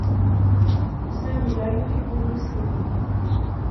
سامي لا يحبّ المسلمين.